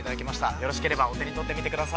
よろしければ、お手に取ってください。